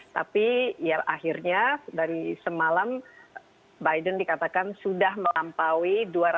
tapi akhirnya dari semalam biden dikatakan sudah melampaui dua ratus tujuh puluh